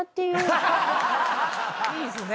いいですね。